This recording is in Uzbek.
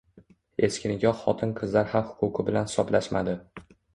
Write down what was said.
Eski nikoh xotin-qizlar haq-huquqi bilan hisoblashmadi.